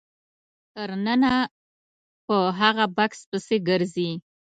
تر ننه په هغه بکس پسې ګرځي.